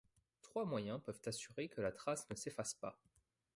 Trois moyens peuvent assurer que la trace ne s'efface pas.